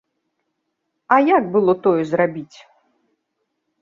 А як было тое зрабіць?